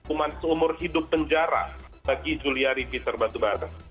hukuman seumur hidup penjara bagi juliari p serbatu barat